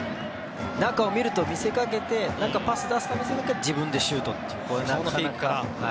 中を見ると見せかけてパス出すと見せかけて自分でシュートという。